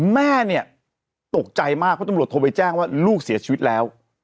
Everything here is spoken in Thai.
แม่เนี่ยตกใจมากเพราะตำรวจโทรไปแจ้งว่าลูกเสียชีวิตแล้ว